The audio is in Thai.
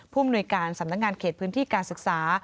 ภูมิหน่วยการสำนักงานเขตพื้นที่การศึกษา